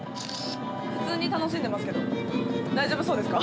普通に楽しんでますけど大丈夫そうですか？